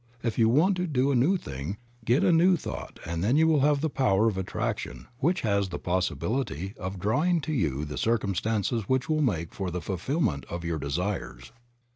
If you want to do a new thing, get a new thought and then you will have the power of attraction which has the possibility of drawing to you the circumstances which will make for the fulfillment of your desires.